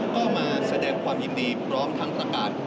ก็มาแสดงความยินดีพร้อมทั้งประกาศ